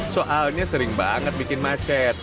soalnya sering banget bikin macet